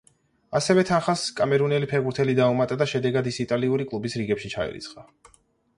ასევე თანხას კამერუნელი ფეხბურთელი დაუმატა და შედეგად ის იტალიური კლუბის რიგებში ჩაირიცხა.